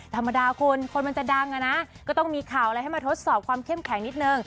ธรรมดาคุณคนมันจะดังอ่ะนะก็ต้องมีข่าวอะไรให้มาทดสอบความเข้มแข็งนิดนึง